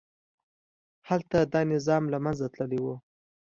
هلته دا نظام له منځه تللي وو.